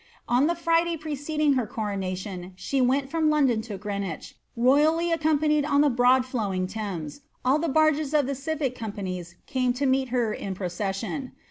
On the Friday preceding her c( \' went from London to Greenwich, royally accompanied on the broi 'winf Tlumea; all the barges of the civic companies came to ■ u procBMjon.